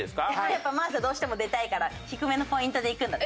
やっぱ真麻どうしても出たいから低めのポイントでいくんだ。